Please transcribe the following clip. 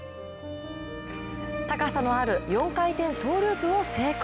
高さのある４回転トウループを成功